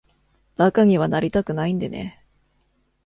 馬鹿にはなりたくないんでね。